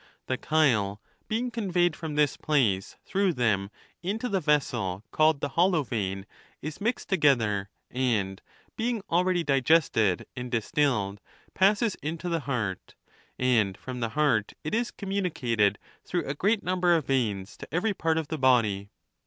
The chyle, being conveyed from this place through them into the vessel called the hollow vein, is mixed together, and, being already digested and distilled, passes into the heart; and from the heart it is communicated through a great number of veins to every part of the body.